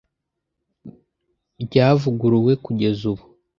Ryavuguruwe kugeza ubu .